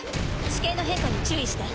地形の変化に注意して。